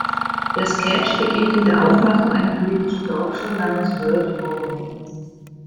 Der Sketch beginnt in der Aufmachung einer politischen Talkshow namens "World Forum".